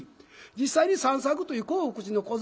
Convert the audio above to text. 実際に三作という興福寺の小僧さん。